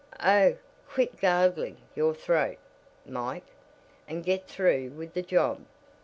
"Oh, quit gargling your throat, Mike, and get through with the job.